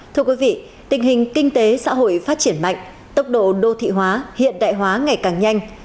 thưa quý vị tình hình kinh tế xã hội phát triển mạnh tốc độ đô thị hóa hiện đại hóa ngày càng nhanh